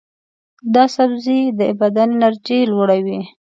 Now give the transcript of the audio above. دا سبزی د بدن انرژي لوړوي.